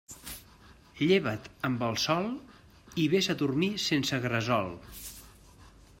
Lleva't amb el sol i vés a dormir sense gresol.